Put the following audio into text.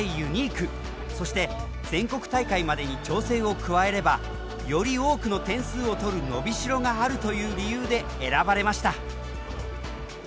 そして全国大会までに調整を加えればより多くの点数を取る伸び代があるという理由で選ばれました。